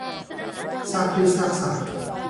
ซากพืชซากสัตว์